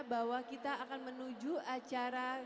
bahwa kita akan menuju acara